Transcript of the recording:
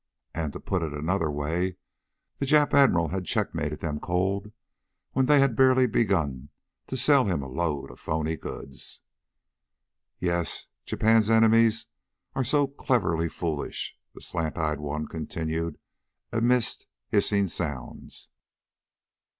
And, to put it another way, the Jap Admiral had checkmated them cold when they had barely begun to sell him a load of phoney goods. "Yes, Japan's enemies are so cleverly foolish!" the slant eyed one continued amidst hissing sounds.